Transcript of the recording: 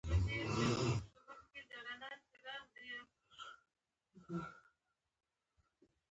هر هغه څه چي ځانګړتیا لري نو ځانګړي وي لکه زه او ته